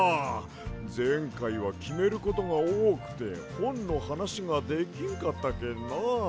ぜんかいはきめることがおおくてほんのはなしができんかったけんな。